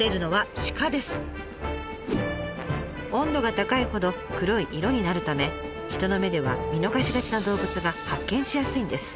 温度が高いほど黒い色になるため人の目では見逃しがちな動物が発見しやすいんです。